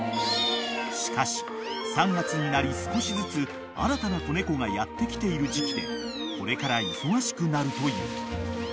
［しかし３月になり少しずつ新たな子猫がやって来ている時季でこれから忙しくなるという］